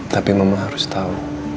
tapi mama harus tau